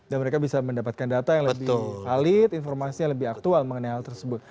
dan mereka bisa mendapatkan data yang lebih valid informasi yang lebih aktual mengenai hal tersebut